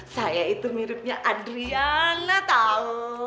saya itu miripnya adriana tahu